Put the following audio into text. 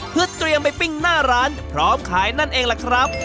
เพื่อเตรียมไปปิ้งหน้าร้านพร้อมขายนั่นเองล่ะครับ